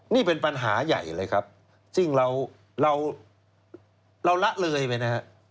นี่เป็นปัญหาใหญ่เลยครับซึ่งเราเราละเลยไปนะฮะ